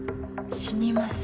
「死にます。